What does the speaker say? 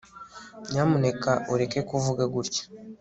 nyamuneka ureke kuvuga gutya